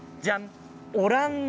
オランダ。